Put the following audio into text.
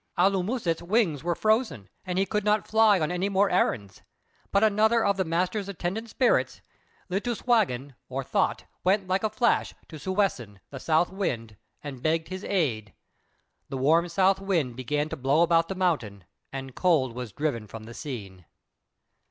Alŭmūset's wings were frozen, and he could not fly on any more errands; but another of the master's attendant spirits, "Litŭswāgan," or Thought, went like a flash to "Sūwessen," the South Wind, and begged his aid. The warm South Wind began to blow about the mountain, and Cold was driven from the scene.